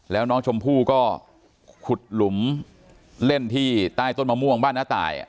แล้วน้องชมพู่ก็ขุดหลุมเล่นที่ใต้ต้นมะม่วงบ้านน้าตาย